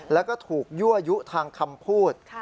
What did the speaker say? แล้วก็ถูกยั่วยุทางคำพูด